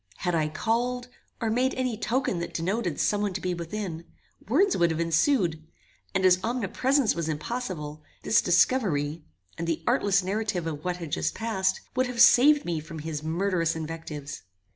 Had I called, or made any token that denoted some one to be within, words would have ensued; and as omnipresence was impossible, this discovery, and the artless narrative of what had just passed, would have saved me from his murderous invectives.